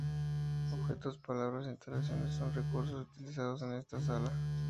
Objetos, palabras, instalaciones, son recursos utilizados en esta sala.